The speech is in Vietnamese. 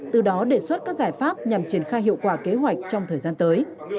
từ đó đề xuất các giải pháp nhằm triển khai hiệu quả kế hoạch trong thời gian tới